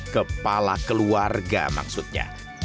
kepala keluarga maksudnya